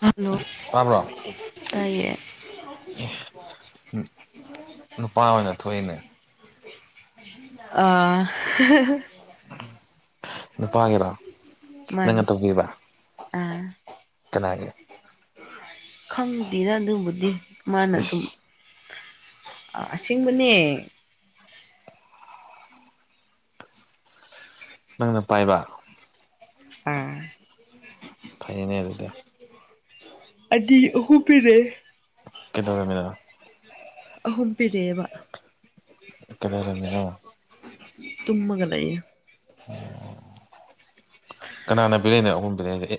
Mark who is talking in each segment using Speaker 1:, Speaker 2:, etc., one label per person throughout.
Speaker 1: Hello
Speaker 2: ꯇꯥꯕ꯭ꯔꯣ
Speaker 1: ꯇꯦ
Speaker 2: ꯅꯨꯄꯥ ꯑꯣꯏꯅ ꯊꯣꯛꯏꯅꯦ
Speaker 1: [unintelligible] ꯑ
Speaker 2: ꯅꯨꯄꯥꯒꯤꯔ ꯅꯪꯅ
Speaker 1: ꯃꯥꯅꯤ
Speaker 2: ꯇꯧꯕꯤꯕ
Speaker 1: ꯑꯥ
Speaker 2: ꯆꯉꯦ
Speaker 1: ꯈꯪꯗꯦꯔ ꯑꯗꯨꯕꯨꯗꯤ ꯃꯥꯅ ꯑꯗꯨꯝ
Speaker 2: ꯏꯁ
Speaker 1: ꯑꯁꯦꯡꯕꯅꯦ
Speaker 2: ꯅꯪꯅ ꯄꯥꯏꯕ
Speaker 1: ꯑꯥ
Speaker 2: ꯈꯩꯅꯦ ꯑꯗꯨꯗ
Speaker 1: ꯑꯗꯨ ꯑꯍꯨ ꯄꯤꯔꯦ
Speaker 2: ꯀꯗꯣꯗ ꯃꯒ
Speaker 1: ꯑꯍꯨꯝꯄꯤꯗꯕ
Speaker 2: ꯆꯗꯔꯝꯃꯤꯅꯣ
Speaker 1: ꯇꯨꯝꯃꯒꯅꯥ ꯑꯩꯦ
Speaker 2: ꯎꯝ ꯀꯅꯥꯅ ꯄꯕꯤꯔꯛꯏꯅꯣ ꯑꯍꯨꯝ ꯄꯕꯤꯔꯛꯏ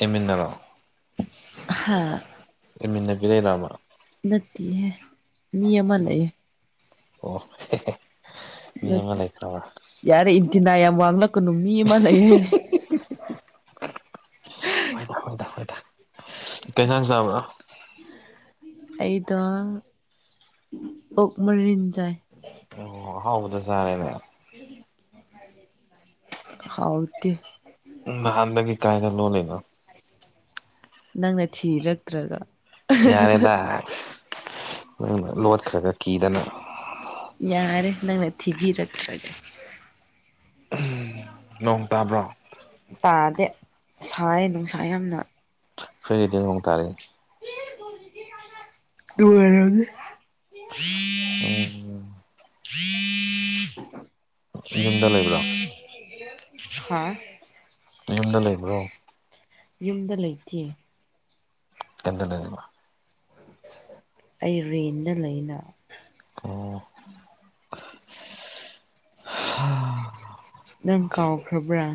Speaker 2: ꯑꯦꯃꯤꯟꯅꯔꯣ
Speaker 1: ꯍꯥ
Speaker 2: ꯂꯩꯃꯤꯟꯅꯕꯤ ꯂꯩꯔꯃ
Speaker 1: ꯅ ꯍ ꯃꯤ ꯑ ꯑꯃ ꯂꯩꯌꯦ
Speaker 2: ꯃꯤꯅ ꯃ ꯂꯩ ꯐ꯭ꯔꯥꯎ
Speaker 1: ꯌꯥꯔꯦ ꯏꯟꯇꯤꯅꯥ ꯌꯥꯝ ꯋꯥꯡꯂꯛꯀꯅꯨ ꯃꯤ ꯑꯃ ꯂꯩ ꯍꯥꯏꯣꯏꯅꯦ
Speaker 2: ꯍꯣꯏ ꯍꯣꯏꯗ ꯍꯣꯏꯗ ꯀꯩꯁꯥꯡ ꯆꯥꯕ꯭ꯔꯥ
Speaker 1: ꯑꯩꯗ ꯑꯣꯛ ꯃꯔꯤꯟ ꯆꯥꯏ
Speaker 2: ꯑꯣ ꯍꯥꯎꯕꯗ ꯆꯥꯔꯦꯅꯦ
Speaker 1: ꯍꯥꯎꯗꯤ
Speaker 2: ꯎ ꯅꯍꯥꯟꯗꯒꯤ ꯀꯥꯏꯅ ꯂꯣꯜꯂꯤꯅꯣ
Speaker 1: ꯅꯪꯅ ꯊꯤꯔꯛꯇ꯭ꯔꯒ
Speaker 2: ꯌꯥꯔꯦꯗ ꯅꯪ ꯂꯣꯠꯈ꯭ꯔꯒ ꯀꯤꯗꯅ
Speaker 1: ꯌꯥꯔꯦ ꯅꯪꯅ ꯊꯤꯕꯤꯔꯛꯇ꯭ꯔꯒ
Speaker 2: ꯅꯣꯡ ꯇꯥꯕ꯭ꯔꯣ
Speaker 1: ꯇꯥꯗꯦ ꯁꯥꯏ ꯅꯨꯡꯁꯥ ꯌꯥꯝꯅ
Speaker 2: ꯐꯒꯤꯗꯤ ꯍꯣꯡꯇꯥꯔꯦ
Speaker 1: ꯇꯨꯡ ꯑꯣꯏꯔ
Speaker 2: ꯎꯝ ꯌꯨꯝꯗ ꯂꯩꯕ꯭ꯔꯥ
Speaker 1: ꯍꯥꯥ
Speaker 2: ꯌꯨꯝꯗ ꯂꯩꯕ꯭ꯔꯣ
Speaker 1: ꯌꯨꯝꯗ ꯂꯩꯇꯦ
Speaker 2: ꯑꯦꯟ ꯂꯩꯅ
Speaker 1: ꯑꯩ ꯔꯦꯟꯗ ꯂꯩꯅ
Speaker 2: ꯑꯣ
Speaker 1: ꯅꯪ ꯀꯥꯎꯈ꯭ꯔꯕ꯭ꯔꯥ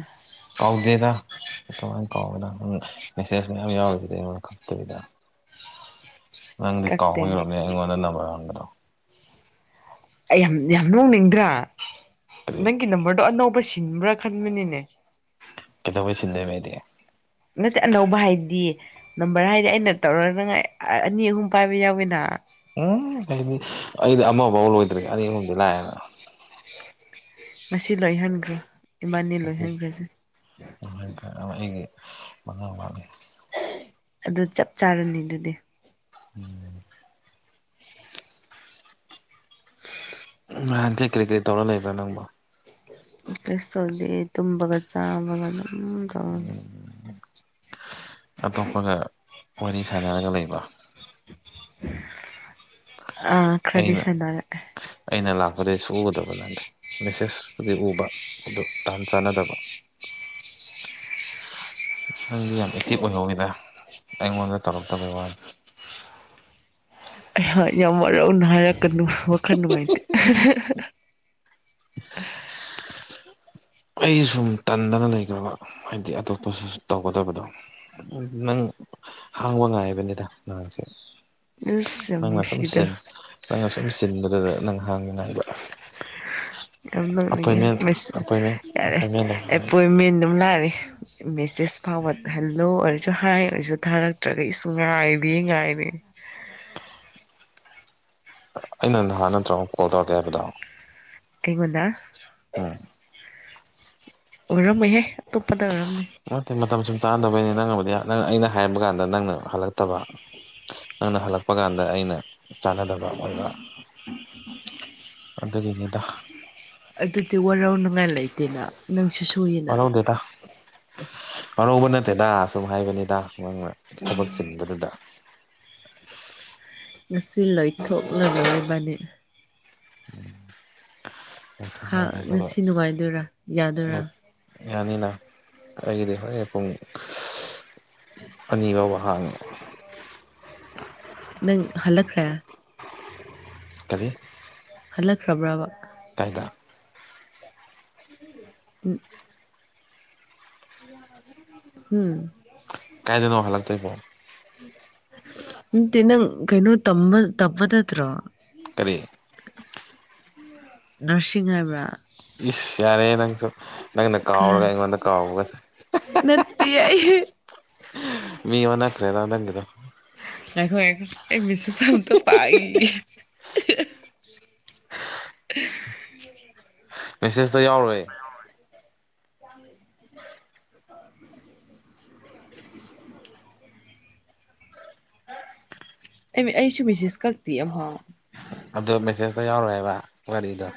Speaker 2: ꯀꯥꯎꯗꯦꯗ ꯀꯃꯥꯏꯅ ꯀꯥꯎꯗꯅ ꯅꯪ ꯃꯦꯁꯦꯁ ꯃꯌꯥꯝ ꯌꯥꯎꯁꯤꯗ ꯑꯩꯉꯣꯟꯗ ꯈꯛꯇꯕꯤꯗ ꯅꯪꯗꯤ
Speaker 1: ꯀꯛꯇꯦ ꯑꯩ
Speaker 2: ꯀꯥꯎꯍꯧꯗꯔꯕꯅꯦ ꯑꯩꯉꯣꯟꯗ ꯅꯝꯕꯔ ꯍꯪꯒꯗ꯭ꯔꯣ
Speaker 1: ꯑꯩ ꯌꯥꯝ ꯌꯥꯝ ꯅꯣꯡꯅꯤꯡꯗ꯭ꯔꯥ
Speaker 2: ꯀꯔꯤ
Speaker 1: ꯅꯪꯒꯤ ꯅꯝꯕꯔꯗꯣ ꯑꯅꯧꯕ ꯁꯤꯟꯕ꯭ꯔꯥ ꯈꯟꯕꯅꯤꯅꯦ
Speaker 2: ꯀꯩꯗꯧꯕꯩ ꯁꯤꯟꯗꯕ ꯍꯥꯏꯗꯤ
Speaker 1: ꯅꯠꯇꯦ ꯑꯅꯧꯕ ꯍꯥꯏꯗꯤ ꯅꯝꯕꯔ ꯍꯥꯏꯗꯤ ꯑꯩꯅ ꯇꯧꯔꯅꯥꯏ ꯑꯅꯤ ꯑꯍꯨꯝ ꯄꯥꯏꯕ ꯌꯥꯎꯋꯤꯅ
Speaker 2: ꯎꯝ ꯍꯥꯏꯅꯤ ꯑꯩꯗꯤ ꯑꯃꯐꯥꯎꯕ ꯂꯣꯏꯗ꯭ꯔꯦꯒꯦ ꯑꯅꯤ ꯑꯍꯨꯝꯗꯤ ꯂꯥꯛꯑꯦꯅ
Speaker 1: ꯃꯁꯤ ꯂꯣꯏꯍꯟꯈ꯭ꯔꯣ ꯏꯃꯥꯅꯤ ꯂꯣꯏꯍꯟꯈ꯭ꯔꯁꯦ
Speaker 2: ꯑꯗꯨꯃꯥꯏꯅ ꯑꯩꯒꯤ ꯃꯅꯥꯕꯅꯤ
Speaker 1: ꯑꯗꯨ ꯆꯞ ꯆꯥꯔꯅꯤ ꯑꯗꯨꯗꯤ
Speaker 2: ꯎꯝ ꯅꯍꯥꯟ ꯀꯩ ꯀꯔꯤ ꯀꯔꯤ ꯇꯧꯔ ꯂꯩꯕ꯭ꯔꯣ ꯅꯪꯕꯣ
Speaker 1: ꯀ꯭ꯂꯁꯧꯗꯤ ꯇꯨꯝꯃꯒ ꯆꯥꯕꯒ ꯅꯝ ꯇꯧꯅꯤ
Speaker 2: ꯑꯇꯣꯞꯄꯒ ꯋꯥꯔꯤ ꯁꯥꯟꯅꯔꯒ ꯂꯩꯕ
Speaker 1: ꯑ
Speaker 2: ꯑꯩꯅ
Speaker 1: ꯈꯗꯤꯁꯗꯔꯦ
Speaker 2: ꯑꯩꯅ ꯂꯥꯛꯄꯗꯒꯤꯩ ꯁꯨꯒꯗꯕ ꯅꯪꯗ ꯃꯦꯁꯦꯁꯄꯨꯗꯤ ꯎꯕ ꯑꯗꯨ ꯇꯍꯥꯟ ꯆꯥꯟꯅꯗꯕ ꯅꯪꯗꯤ ꯌꯥꯝ ꯑꯦꯛꯇꯤꯚ ꯑꯣꯏꯍꯧꯋꯤꯗ ꯑꯩꯉꯣꯟꯗ ꯇꯧꯔꯛꯇꯕꯒꯤ ꯋꯥꯅꯤ
Speaker 1: ꯍꯣꯏ ꯌꯥꯝ ꯋꯥꯔꯧꯅ ꯍꯥꯏꯔꯛꯀꯗ ꯋꯥꯈꯜ ꯅꯨꯡꯉꯥꯏꯇꯦ
Speaker 2: ꯑꯩ ꯁꯨꯝ ꯇꯟꯗꯅ ꯂꯩꯈ꯭ꯔꯕ ꯍꯥꯏꯗꯤ ꯑꯇꯣꯞꯄꯁꯨ ꯇꯧꯒꯗꯕꯗꯣ ꯅꯪ ꯍꯥꯡꯕ ꯉꯥꯏꯕꯅꯤꯗ ꯅꯍꯥꯡꯁꯦ
Speaker 1: ꯑꯁ ꯌꯥꯝ
Speaker 2: ꯅꯪꯅ ꯁꯨꯝ
Speaker 1: ꯅꯨꯡꯁꯤꯗ
Speaker 2: ꯅꯪꯅ ꯁꯨꯝ ꯆꯟꯕꯗꯨꯗ ꯅꯪ ꯍꯥꯡꯅꯤꯉꯥꯏꯕ
Speaker 1: ꯌꯥꯝ ꯂꯧꯅꯤꯡꯉꯦ ꯃꯁꯤ
Speaker 2: ꯑꯄꯣꯏꯟꯃꯦꯟ
Speaker 1: ꯌꯥꯔꯦ
Speaker 2: ꯑꯄꯣꯏꯟꯃꯦꯟ ꯂꯧꯅꯤꯡꯕꯩ
Speaker 1: ꯑꯦꯄꯣꯏꯟꯃꯦꯟ ꯑꯗꯨꯝ ꯂꯥꯛꯑꯦ ꯃꯦꯁꯦꯖ ꯐꯥꯎꯕ ꯍꯜꯂꯣ ꯑꯣꯏꯔꯁꯨ ꯍꯥꯏ ꯑꯣꯏꯔꯁꯨ ꯊꯥꯔꯛꯇ꯭ꯔꯒ ꯏꯁꯁꯨ ꯉꯥꯏꯔꯤ ꯉꯥꯏꯔꯤ
Speaker 2: ꯑꯩꯅ ꯅꯍꯥꯟ ꯅꯠꯇ꯭ꯔ ꯑꯃꯨꯛ ꯀꯣꯜ ꯇꯧꯔꯛꯀꯦ ꯍꯥꯏꯕꯗꯣ
Speaker 1: ꯑꯩꯉꯣꯟꯗ
Speaker 2: ꯎꯝ
Speaker 1: ꯑꯣꯏꯔꯝꯃꯣꯏꯍꯦ ꯑꯇꯣꯞꯄꯗ ꯑꯣꯏꯔꯝꯃꯦ
Speaker 2: ꯑꯇꯩ ꯃꯇꯝ ꯁꯨꯝ ꯇꯥꯟꯅꯗꯕꯩꯅꯦ ꯅꯪꯅꯕꯨꯗꯤ ꯅꯪ ꯑꯩꯅ ꯍꯥꯏꯕ ꯀꯥꯟꯗ ꯅꯪꯅ ꯍꯜꯂꯛꯇꯕ ꯅꯪꯅ ꯍꯜꯂꯛꯄ ꯀꯥꯟꯗ ꯑꯩꯅ ꯆꯥꯟꯅꯗꯕ ꯑꯣꯏꯕ ꯑꯗꯨꯒꯤꯅꯤꯗ
Speaker 1: ꯑꯗꯨꯗꯤ ꯋꯥꯔꯧꯅꯉꯥꯏ ꯂꯩꯇꯦꯅ ꯅꯪꯁꯨ ꯁꯨꯏ
Speaker 2: ꯋꯥꯔꯧꯗꯦꯗ ꯋꯥꯔꯧꯕ ꯅꯠꯇꯦꯗ ꯑꯁꯨꯝ ꯍꯥꯏꯕꯅꯤꯗ ꯃꯥꯅ ꯊꯕꯛ ꯆꯤꯟꯕꯗꯨꯗ
Speaker 1: ꯉꯁꯤ ꯂꯣꯏꯊꯣꯛꯂꯔꯕꯅꯤ
Speaker 2: [unintelligible]
Speaker 1: ꯍꯥ
Speaker 2: ꯃꯥꯅꯤ ꯑꯗꯨꯒ
Speaker 1: ꯉꯁꯤ ꯅꯨꯡꯉꯥꯏꯗꯣꯏꯔꯥ ꯌꯥꯗꯣꯏꯔꯥ
Speaker 2: ꯌꯥꯅꯤꯅ ꯑꯩꯒꯤꯗꯤ ꯍꯣꯔꯦꯟ ꯄꯨꯡ [unintelligible] ꯑꯅꯤꯐꯥꯎꯕ ꯍꯥꯡꯉꯦ
Speaker 1: ꯅꯪ ꯍꯜꯂꯛꯈ꯭ꯔꯦ
Speaker 2: ꯀꯔꯤ
Speaker 1: ꯍꯜꯂꯛꯈ꯭ꯔꯕ꯭ꯔꯕ
Speaker 2: ꯀꯥꯏꯗ
Speaker 1: [unintelligible] ꯎꯝ ꯍꯝ
Speaker 2: ꯀꯥꯏꯗꯅꯣ ꯍꯟꯂꯥꯛ ꯇꯣꯏꯕꯣ
Speaker 1: ꯃ ꯏ ꯅꯪ ꯀꯩꯅꯣ ꯇꯝꯕ [unintelligible]
Speaker 2: ꯀꯔꯤ
Speaker 1: ꯅꯔꯁꯤꯡ ꯍꯥꯏꯕ꯭ꯔꯥ
Speaker 2: ꯏꯁ ꯌꯥꯔꯦ ꯅꯪꯁꯨ ꯅꯪꯅ ꯀꯥꯎꯔꯒ ꯑꯩꯉꯣꯟꯗ ꯀꯥꯎꯕꯒ [unintelligible]
Speaker 1: ꯇꯦ [unintelligible]
Speaker 2: [unintelligible] ꯃꯤ ꯑꯣꯟꯅꯈꯔꯦꯗ ꯅꯪꯒꯤ ꯗꯣ
Speaker 1: ꯉꯥꯏꯈꯣ ꯉꯥꯏꯈꯣ ꯑꯩ ꯃꯦꯁꯦꯁ ꯑꯝꯇ ꯄꯥꯒꯤꯒꯦ
Speaker 2: ꯃꯦꯁꯦꯖꯇ ꯌꯥꯎꯔꯣꯏ
Speaker 1: [unintelligible] [unintelligible] ꯑ ꯑꯩꯁꯨ ꯃꯤꯁꯤꯁ ꯀꯥꯛꯛꯦꯌꯦ ꯑꯝꯐꯥꯎ
Speaker 2: ꯑꯗꯣ ꯃꯦꯁꯦꯖꯇ ꯌꯥꯎꯔꯣꯏ ꯍꯥꯏꯕ ꯋꯥꯔꯤꯗꯣ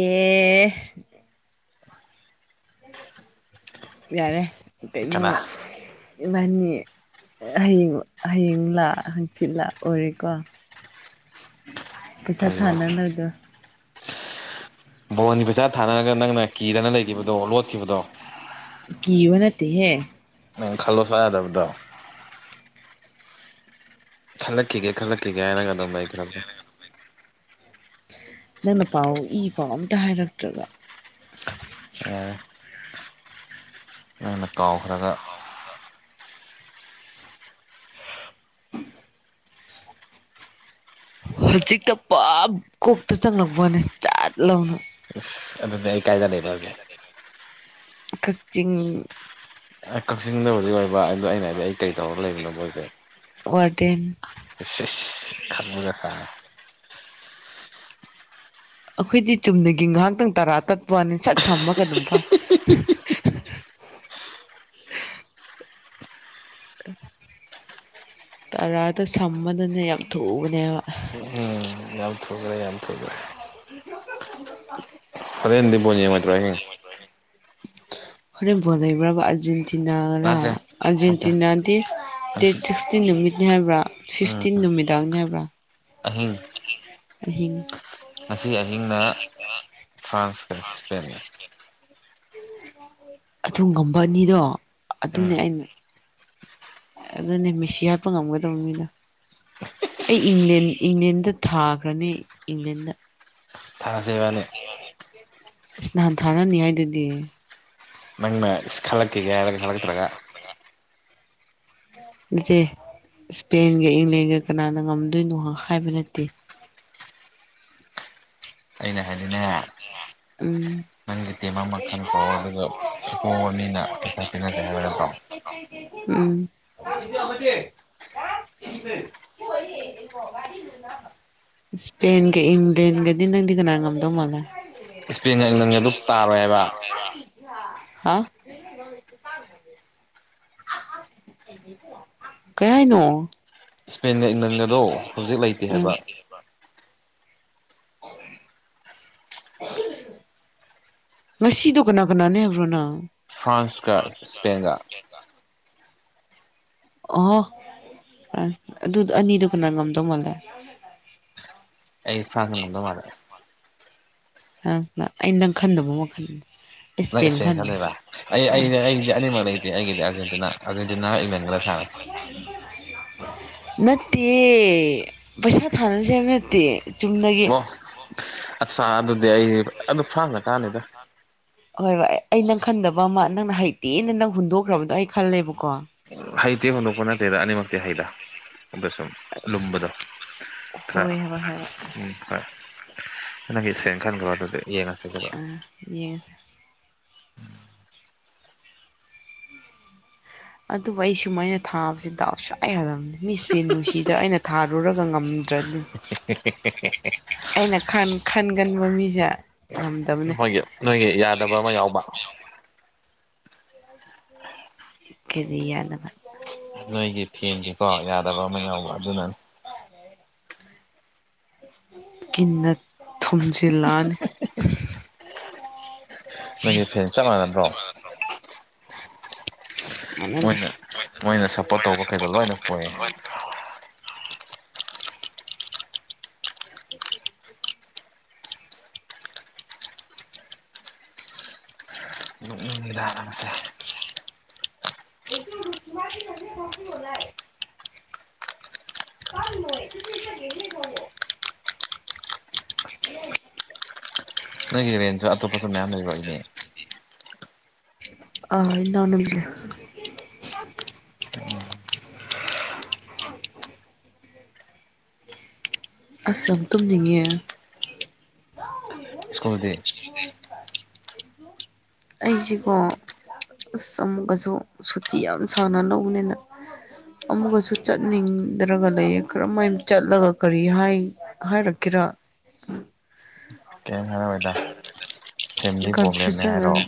Speaker 1: ꯑꯦ [unintelligible] ꯌꯥꯔꯦ ꯀꯩꯅꯣ
Speaker 2: ꯀꯅꯥ
Speaker 1: ꯏꯕꯥꯅꯤ ꯍꯌꯦꯡ ꯍꯌꯦꯡꯂ ꯂꯥ ꯍꯪꯆꯤꯜꯂꯥ ꯑꯣꯏꯔꯦꯀꯣ ꯄꯩꯁꯥ
Speaker 2: ꯀꯔꯤꯕꯣ
Speaker 1: ꯊꯥꯟꯅ [unintelligible]
Speaker 2: ꯕꯣꯟꯒꯤ ꯄꯩꯆꯥ ꯊꯥꯅꯔꯒ ꯅꯪꯅ ꯀꯤꯗꯅ ꯂꯩꯈꯤꯕꯗꯣ ꯂꯣꯠꯈꯤꯕꯗꯣ
Speaker 1: ꯀꯤꯕ ꯅꯠꯇꯦꯍꯦ
Speaker 2: ꯅꯪ ꯈꯜꯂꯣ ꯁꯨꯡꯌꯥ ꯌꯥꯗꯕꯗꯣ ꯈꯜꯂꯛꯈꯤꯒꯦ ꯈꯜꯂꯛꯈꯤꯒꯦ ꯍꯥꯏꯔꯒ ꯑꯗꯨꯝ ꯂꯩꯈ꯭ꯔꯕꯗꯣ
Speaker 1: ꯅꯪꯅ ꯄꯥꯎ ꯏ ꯄꯥꯎ ꯑꯝꯇ ꯍꯥꯏꯔꯛꯇ꯭ꯔꯒ
Speaker 2: ꯑ ꯑꯩꯅ ꯀꯥꯎꯈ꯭ꯔꯒ
Speaker 1: ꯍꯧꯖꯤꯛꯇ [unintelligible] ꯀꯣꯛꯇ ꯆꯪꯉꯛꯄꯅꯦ ꯆꯥꯠ ꯂꯥꯎꯅ
Speaker 2: ꯏꯁ ꯑꯗꯨꯗꯤ ꯑꯩ ꯀꯥꯏꯗ ꯂꯩꯕ ꯍꯧꯖꯤꯛ
Speaker 1: ꯀꯛꯆꯤꯡ
Speaker 2: [unintelligible] ꯀꯛꯆꯤꯡꯗꯕꯨꯗꯤ ꯑꯣꯏꯕ ꯑꯗꯣ ꯑꯩꯅ ꯍꯥꯏꯗꯤ ꯑꯩ ꯀꯔꯤ ꯇꯧꯔꯒ ꯂꯩꯕꯅꯣ ꯍꯧꯖꯤꯛ
Speaker 1: ꯋꯥꯔꯗꯦꯟ
Speaker 2: ꯏꯁ ꯏꯁ ꯈꯪꯕꯒ ꯁꯥꯏ
Speaker 1: ꯑꯩꯈꯣꯏꯗꯤ ꯆꯨꯝꯅꯒꯤ ꯉꯥꯏꯍꯥꯛꯇꯪ ꯇꯔꯥ ꯇꯠꯄ ꯋꯥꯅꯤ ꯁꯠ ꯁꯝꯃꯒ ꯑꯗꯨꯝ ꯐꯩ [unintelligible] ꯇꯔꯥꯗꯣ ꯁꯝꯕꯗꯅꯦ ꯌꯥꯝ ꯊꯨꯕꯅꯦꯕ
Speaker 2: ꯎꯝ ꯌꯥꯝ ꯊꯨꯈ꯭ꯔꯦ ꯌꯥꯝ ꯊꯨꯈ꯭ꯔꯦ ꯍꯥꯔꯦꯟꯗꯤ ꯕꯣꯜ ꯌꯦꯡꯉꯣꯏꯗ꯭ꯔꯣ [unintelligible]
Speaker 1: ꯍꯣꯔꯦꯟ ꯕꯣꯜ ꯂꯩꯕ꯭ꯔꯕ ꯑꯔꯖꯦꯟꯇꯤꯅꯥꯔ
Speaker 2: ꯅꯠꯇꯦ ꯅꯠꯇꯦ
Speaker 1: ꯑꯔꯖꯦꯟꯇꯤꯅꯥ ꯗꯤ ꯗꯦꯠ
Speaker 2: ꯍꯪꯆꯤꯠ
Speaker 1: ꯁꯤꯛꯁ ꯇꯤꯟ ꯅꯨꯃꯤꯠꯅꯤ ꯍꯥꯏꯕ꯭ꯔꯥ
Speaker 2: ꯎꯝ
Speaker 1: ꯐꯤꯐꯇꯤꯟ ꯅꯨꯃꯤꯗꯥꯡꯅꯤ ꯍꯥꯏꯕ꯭ꯔꯥ
Speaker 2: ꯑꯍꯤꯡ ꯉꯁꯤ ꯑꯍꯤꯡꯅ ꯐ꯭ꯔꯥꯟꯁꯀ
Speaker 1: [unintelligible]
Speaker 2: ꯏꯁꯄꯦꯟꯒ
Speaker 1: ꯑꯗꯨ ꯉꯝꯕ ꯑꯅꯤꯗꯣ
Speaker 2: ꯎꯝ
Speaker 1: ꯑꯗꯨꯅꯦ ꯑꯩꯅ ꯑꯗꯨꯅꯦ ꯃꯤꯁꯤ ꯍꯥꯠꯄ ꯉꯝꯒꯗꯕ ꯃꯤꯅꯣ ꯑꯩ ꯏꯪꯂꯦꯟ ꯏꯪꯂꯦꯟꯗ ꯊꯥꯈ꯭ꯔꯅꯤ ꯏꯪꯂꯦꯟꯗ
Speaker 2: ꯊꯥꯟꯁꯦ ꯏꯕꯥꯅꯤ
Speaker 1: ꯑꯁ ꯅꯍꯥꯟ ꯊꯅꯅꯤ ꯍꯥꯏꯗꯨꯗꯤ
Speaker 2: ꯅꯪꯅ ꯏꯁ ꯈꯜꯂꯛꯀꯦꯒꯦ ꯍꯥꯏꯔꯒ ꯈꯜꯂꯛꯇ꯭ꯔꯒ
Speaker 1: ꯅꯠꯇꯦ ꯏꯁꯄꯦꯟꯒ ꯏꯪꯂꯦꯟꯒ ꯀꯅꯥꯅ ꯉꯝꯗꯣꯏꯅꯣ ꯍꯥꯏꯕ ꯅꯠꯇꯦ꯫
Speaker 2: ꯑꯩꯅ ꯍꯥꯏꯗꯤꯅꯦ
Speaker 1: ꯎꯝ
Speaker 2: ꯅꯪꯒꯤ ꯇꯤꯝ ꯑꯃ ꯈꯟꯈ꯭ꯔꯣ ꯑꯗꯨꯒ ꯑꯄꯣꯕ ꯃꯤꯅ ꯄꯩꯁꯥ ꯄꯤꯟꯅꯗꯦ ꯍꯥꯏꯕ ꯅꯠꯇ꯭ꯔꯣ
Speaker 1: ꯎꯨꯝ [inaudible] ꯏꯁꯄꯦꯟ ꯀ ꯏꯪ꯭ꯂꯦꯟꯒꯗꯤ ꯅꯪꯗꯤ ꯀꯅꯥ ꯉꯝ ꯇ ꯃꯂ
Speaker 2: ꯏꯁꯄꯦꯟꯒ ꯏꯪꯂꯦꯟꯒ ꯑꯗꯨ ꯇꯥꯔꯣꯏꯑꯦꯕ
Speaker 1: ꯍꯥ ꯀꯥ [inaudible] ꯀꯌꯥꯅ
Speaker 2: ꯏꯁꯄꯦꯟꯒ ꯏꯪꯂꯟꯒꯗꯣ ꯍꯧꯖꯤꯛ ꯂꯩꯇꯦ
Speaker 1: ꯑꯥ
Speaker 2: ꯍꯥꯏꯕ [unintelligible]
Speaker 1: ꯉꯁꯤꯗꯣ ꯀꯅꯥ ꯀꯅꯥꯅꯦ ꯍꯥꯏꯕ꯭ꯔꯣꯅ
Speaker 2: ꯐ꯭ꯔꯥꯟꯁ ꯀ ꯁꯄꯦꯟꯒꯥ
Speaker 1: ꯀꯦꯗ ꯑꯣꯍꯣ ꯑ ꯑꯗꯨ ꯑꯅꯤꯗꯨ ꯀꯅꯥ ꯉꯝꯗꯧ ꯃꯥꯟꯒꯦ
Speaker 2: ꯑꯩ ꯐ꯭ꯔꯥꯟꯁꯅ ꯉꯝꯗꯧ ꯃꯥꯜꯂꯦ
Speaker 1: ꯐ꯭ꯔꯥꯟꯁꯅ ꯑꯩ ꯅꯪ ꯈꯟꯗꯕ ꯋꯥꯈꯟ
Speaker 2: ꯅꯪ ꯏꯁꯄꯦꯟ ꯈꯟꯗꯣꯏꯕ ꯑꯩ ꯑꯩ ꯑꯩꯗꯤ ꯑꯅꯤꯃꯛ ꯂꯩꯇꯦ ꯑꯩꯒꯤꯗꯤ ꯑꯥꯔꯖꯦꯟꯇꯤꯅꯥ ꯑꯥꯔꯖꯦꯟꯇꯤꯅꯥ ꯏꯪꯂꯦꯟꯒꯗ ꯊꯥꯔꯁꯤ ꯇꯤꯛ
Speaker 1: ꯅꯠꯇꯦ ꯄꯩꯁꯥ ꯊꯥꯅꯁꯦ ꯍꯥꯏꯕ ꯅꯠꯇꯦ ꯆꯨꯝꯅꯒꯤ
Speaker 2: ꯑꯣ ꯑꯠꯆꯥ ꯑꯗꯨꯗꯤ ꯑꯩ ꯑꯗꯨ ꯐ꯭ꯔꯥꯡꯅ ꯀꯥꯅꯤꯗ
Speaker 1: ꯍꯣꯏ ꯑꯩ ꯅꯪ ꯈꯟꯗꯕ ꯑꯃ ꯅꯪꯅ ꯍꯩꯇꯦꯅ ꯅꯪ ꯍꯨꯟꯗꯣꯛꯈ꯭ꯔꯕꯗꯣ ꯑꯩ ꯈꯜꯂꯦꯕꯀꯣ
Speaker 2: ꯍꯩꯇꯦ ꯍꯨꯟꯗꯣꯛꯄ ꯅꯠꯇꯦꯗ ꯑꯅꯤꯃꯛꯇꯤ ꯍꯩꯗ ꯑꯗ ꯁꯨꯝ ꯂꯨꯝꯕꯗꯣ ꯈꯔ
Speaker 1: ꯍꯣꯏ ꯍꯥꯏꯕ ꯍꯥꯏꯕ
Speaker 2: ꯎꯨꯝ ꯍꯣꯏ ꯅꯪꯒꯤ ꯁꯣꯔꯦꯟ ꯈꯟꯈ꯭ꯔꯣ ꯑꯗꯨꯗꯤ ꯌꯦꯡꯉꯁꯤ ꯑꯗꯨꯒꯥ
Speaker 1: ꯌꯦꯡꯉꯥꯁꯤ ꯑꯗꯨꯕꯨ ꯑꯩ ꯁꯨꯃꯥꯏꯅ ꯊꯥꯕꯁꯦ ꯗꯥꯎ ꯁꯨꯛꯌꯥ ꯌꯥꯗꯕꯅꯤ ꯃꯤ ꯏꯁꯄꯦꯟ ꯅꯨꯡꯁꯤꯗ ꯑꯩꯅ ꯊꯥꯔꯨꯔꯒ ꯉꯝꯗ꯭ꯔꯗꯤ
Speaker 2: ꯍꯦꯍꯦꯍꯦ
Speaker 1: ꯑꯩꯅ ꯈꯟ-ꯈꯟꯒꯟꯕ ꯃꯤꯁꯦ ꯉꯝꯗꯕꯅꯦ
Speaker 2: ꯃꯣꯏꯒꯤ ꯅꯣꯏꯒꯤ ꯌꯥꯗꯕ ꯑꯃ ꯌꯥꯎꯕ
Speaker 1: ꯀꯦꯔꯤ ꯌꯥꯗꯕ
Speaker 2: ꯅꯣꯏꯒꯤ ꯐꯦꯟꯒꯤꯀꯣ ꯌꯥꯗꯕ ꯑꯃ ꯌꯥꯎꯕ ꯑꯗꯨꯅꯅꯤ
Speaker 1: ꯀꯤꯟꯅ ꯊꯣꯝꯖꯤꯜꯂꯛꯑꯥꯅꯤ
Speaker 2: ꯍꯥ ꯍꯥ ꯍꯥ ꯅꯣꯏꯒꯤ ꯐꯦꯟ ꯆꯞ
Speaker 1: ꯑꯩ
Speaker 2: ꯃꯥꯟꯅꯗ꯭ꯔꯣ
Speaker 1: ꯐꯦꯠꯇꯅ [inaudible]
Speaker 2: ꯃꯣꯏꯅ ꯁꯞꯄꯣꯔꯠ
Speaker 1: ꯃꯣꯏꯅ
Speaker 2: ꯇꯧꯕꯈꯩꯗꯣ
Speaker 1: ꯁꯥꯄꯣꯔꯠ
Speaker 2: ꯂꯣꯏꯅ
Speaker 1: ꯇꯧꯕ ꯐꯦꯟꯗꯣ
Speaker 2: ꯄꯣꯏꯌꯦ
Speaker 1: ꯂꯣꯏꯅ
Speaker 2: ꯅꯣꯛꯅꯤꯡꯉꯤꯗ ꯅꯪꯁꯦ
Speaker 1: ꯑꯩꯒꯤ ꯊꯄꯤꯂ [inaudible] ꯆꯥꯡꯂꯦ ꯀꯁ ꯦꯅꯤ ꯕꯨꯣ [inaudible] ꯇꯥ ꯇꯥꯛ
Speaker 2: ꯅꯣꯏꯒꯤ ꯔꯦꯟꯖꯁꯨ ꯑꯇꯣꯞꯄꯁꯨ ꯃꯌꯥꯝ ꯂꯩꯕ ꯎꯨꯏꯅꯦ
Speaker 1: ꯑꯥ ꯏꯅꯕꯤꯒꯁꯦ ꯑꯁ ꯌꯥꯝ ꯇꯨꯝꯅꯤꯡꯉꯦ
Speaker 2: ꯁ꯭ꯀꯨꯜꯗꯤ
Speaker 1: ꯑꯩꯁꯤꯀꯣ ꯑꯁ ꯑꯃꯨꯛꯀꯁꯨ ꯁꯨꯇꯤ ꯌꯥꯝ ꯁꯥꯡꯅ ꯂꯧꯕꯅꯤꯅ ꯑꯃꯨꯒꯁꯨ ꯆꯠꯅꯤꯡꯗ꯭ꯔꯒ ꯂꯩꯌꯦ ꯀꯔꯝꯍꯥꯏꯅ ꯆꯠꯂꯒ ꯀꯔꯤ ꯍꯥꯏ ꯍꯥꯏꯔꯛꯀꯦꯔ
Speaker 2: ꯀꯔꯤꯝ ꯍꯥꯏꯔꯛꯑꯣꯏꯗ ꯐꯦꯃꯤꯂꯤ ꯄ꯭ꯔꯣꯕ꯭ꯂꯦꯝꯅꯦ
Speaker 1: ꯀꯟꯐ꯭ꯌꯨꯁꯟ
Speaker 2: ꯍꯥꯏꯔꯛꯑꯣ
Speaker 1: ꯑꯃ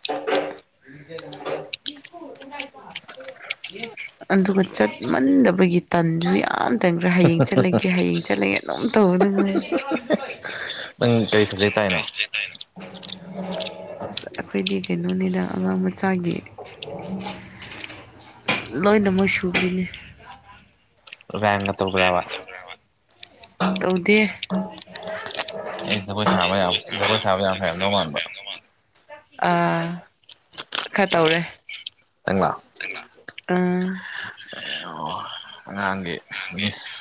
Speaker 1: [unintelligible] ꯑꯗꯨꯒ ꯆꯠꯃꯟꯗꯕꯒꯤ ꯇꯟꯁꯨ ꯌꯥꯝ ꯇꯟꯕ꯭ꯔꯥ ꯍꯌꯦꯡ ꯆꯠꯂꯒꯦ ꯍꯌꯦꯡ ꯆꯠꯂꯒꯦ ꯑꯗꯨꯝ ꯇꯧꯔ ꯗꯨꯝ ꯂꯩ
Speaker 2: ꯅꯪ ꯀꯔꯤ ꯁꯞꯖꯦꯛ ꯇꯥꯏꯅꯣ
Speaker 1: ꯌꯦ ꯇꯩꯔꯣ ꯑꯩꯈꯣꯏꯒꯤ ꯀꯩꯅꯣꯅꯤꯗ ꯑꯉꯥꯡ ꯃꯆꯥꯒꯤ ꯇꯥꯛ ꯂꯣꯏꯅ ꯃꯣꯏ ꯁꯨꯒ꯭ꯔꯤꯅꯤ
Speaker 2: ꯒꯥꯏꯅ ꯇꯧꯈ꯭ꯔꯦꯕ
Speaker 1: ꯇꯧꯗꯦ [inaudible]
Speaker 2: ꯑꯩ ꯖꯒꯣꯏ ꯁꯥꯕ ꯌꯥꯝ ꯖꯒꯣꯏ ꯁꯥꯕ ꯌꯥꯝ ꯍꯩꯔꯝꯗꯧ ꯃꯥꯟꯕ
Speaker 1: ꯑꯥ ꯈꯔ ꯇꯧꯔꯦ
Speaker 2: ꯅꯪꯂꯥ
Speaker 1: ꯎꯨꯝ
Speaker 2: ꯑꯣ ꯑꯉꯥꯡꯒꯤ ꯃꯤꯁ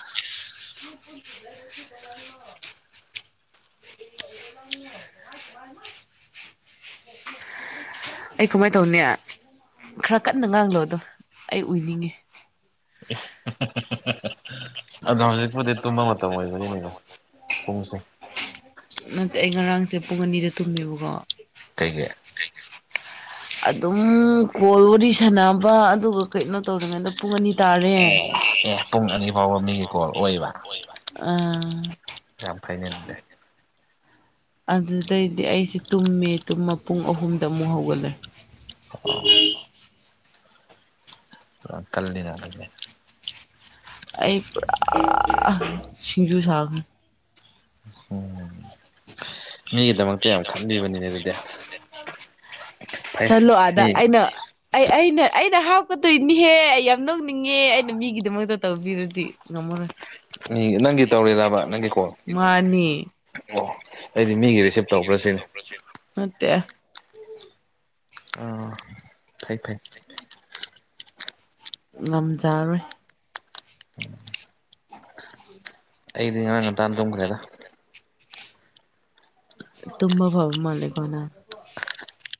Speaker 1: [unintelligible] [unintelligible] ꯑꯩ ꯀꯃꯥꯏꯅ ꯇꯧꯅꯦ ꯈꯔ ꯀꯟꯅ ꯉꯥꯡꯂꯣꯗꯣ ꯑꯩ ꯎꯏꯅꯤꯡꯉꯤ
Speaker 2: [unintelligible] ꯑꯔꯨꯅꯥꯁꯦ ꯍꯧꯖꯤꯛꯄꯨꯗꯤ ꯇꯨꯝꯕ ꯃꯇꯝ ꯑꯣꯏꯕꯅꯤꯅꯦ ꯄꯨꯡꯁꯦ
Speaker 1: ꯅꯠꯇꯦ ꯑꯩ ꯉꯔꯥꯡꯁꯦ ꯄꯨꯡ ꯑꯅꯤꯗ ꯇꯨꯝꯃꯦꯕꯀꯣ
Speaker 2: ꯀꯩꯒꯤ
Speaker 1: ꯑꯗꯨꯝ ꯀꯣꯜ ꯋꯥꯔꯤ ꯁꯥꯟꯅꯕ ꯑꯗꯨꯒ ꯀꯩꯅꯣ ꯇꯧꯔꯤꯉꯩꯗ ꯄꯨꯡ ꯑꯅꯤ ꯇꯥ
Speaker 2: ꯑꯦ ꯑꯦ ꯄꯨꯡ ꯑꯅꯤ ꯐꯥꯎꯕ ꯃꯤꯒꯤ ꯀꯣꯜ ꯑꯣꯏꯕ
Speaker 1: ꯑꯥ
Speaker 2: ꯌꯥꯝ ꯐꯩꯅꯦ ꯑꯗꯨꯗꯤ
Speaker 1: ꯑꯗꯨꯗꯩꯗꯤ ꯑꯩꯁꯦ ꯇꯨꯝꯃꯦ ꯇꯨꯝꯕ ꯄꯨꯡ ꯑꯍꯨꯝꯗ ꯑꯃꯨꯛ ꯍꯧꯒꯠꯂꯦ
Speaker 2: ꯑꯣ ꯌꯥꯝ ꯀꯜꯂꯤꯅ ꯑꯗꯨꯗꯤ
Speaker 1: ꯑꯩ ꯄꯨꯔꯥ ꯁꯤꯡꯖꯨ ꯁꯥꯈ꯭ꯔꯦ
Speaker 2: ꯎꯝ ꯃꯤꯒꯤꯗꯃꯛꯇ ꯌꯥꯝ ꯈꯟꯕꯤꯕꯅꯤꯅꯦ ꯑꯗꯨꯗꯤ ꯐꯩ
Speaker 1: ꯆꯂꯣ ꯑꯥꯗ
Speaker 2: ꯃꯤ
Speaker 1: ꯑꯩꯅ ꯑꯩ ꯑꯩꯅ ꯑꯩꯅ ꯍꯥꯞꯀꯗꯣꯏꯅꯤꯍꯦ ꯑꯩ ꯌꯥꯝ ꯅꯣꯛꯅꯤꯡꯉꯦ ꯑꯩꯅ ꯃꯤꯒꯤꯗꯃꯛꯇ ꯇꯧꯕꯤꯔꯗꯤ ꯉꯝꯃꯔꯣꯢ
Speaker 2: ꯃꯤꯒꯤ ꯅꯪꯒꯤ ꯇꯧꯔꯤꯔꯥꯕ ꯅꯪꯒꯤ ꯀꯣꯜ
Speaker 1: ꯃꯥꯅꯤ
Speaker 2: ꯑꯣ ꯑꯩꯗꯤ ꯃꯤꯒꯤ ꯔꯤꯁꯤꯞ ꯇꯧꯕ꯭ꯔꯁꯤꯅꯤ
Speaker 1: ꯅꯠꯇꯦ
Speaker 2: ꯑꯥ ꯐꯩ ꯐꯩ
Speaker 1: [unintelligible] ꯉꯝꯖꯥꯔꯣꯏ [unintelligible]
Speaker 2: ꯑꯩꯗꯤ ꯉꯔꯥꯡ ꯉꯟꯇꯥꯥꯅ ꯇꯨꯝꯈ꯭ꯔꯦꯗ
Speaker 1: ꯇꯨꯝꯃꯕꯣ ꯃꯥꯜꯂꯦꯀꯣ ꯅꯪ